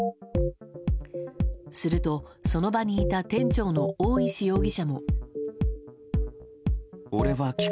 すると、その場にいた店長の大石容疑者も。